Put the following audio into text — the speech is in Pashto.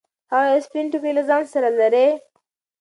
هغه یو سپین ټیکری له ځان سره لري.